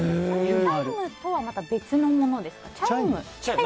チャイムとはまた別のものですか？